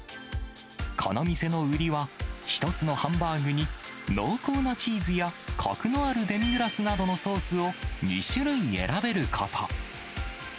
この店の売りは、１つのハンバーグに、濃厚なチーズやこくのあるデミグラスなどのソースを、２種類選べること。